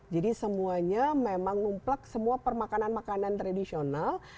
jadi semuanya memang ngumplak semua permakanan makanan tradisional